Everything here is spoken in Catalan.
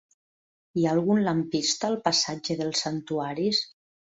Hi ha algun lampista al passatge dels Santuaris?